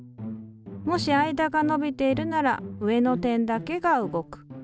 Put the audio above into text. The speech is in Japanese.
もし間が伸びているなら上の点だけが動く。